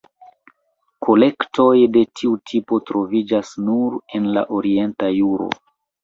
Kolektoj de tiu tipo troviĝas nur en la orienta juro.